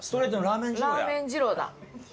ラーメン二郎だ。